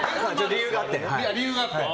理由があって。